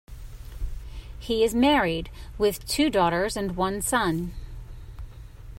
He is married with two daughters and one son.